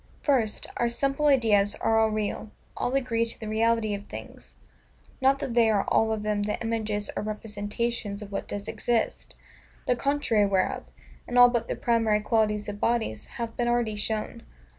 First, Our SIMPLE IDEAS are all real, all agree to the reality of things: not that they are all of them the images or representations of what does exist; the contrary whereof, in all but the primary qualities of bodies, hath been already shown.